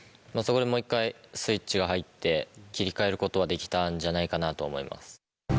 ５秒ぐらい詰まってたので、そこでもう一回スイッチが入って、切り替えることはできたんじゃないかなと思います。